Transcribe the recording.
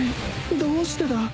どうしてだ！？